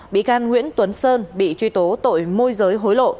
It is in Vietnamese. bị can nguyễn tuấn sơn bị truy tố tội môi giới hối lộ